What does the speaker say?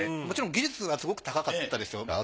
もちろん技術はすごく高かったですよ。